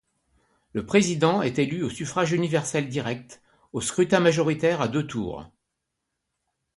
Le président est élu au suffrage universel direct, au scrutin majoritaire à deux tours.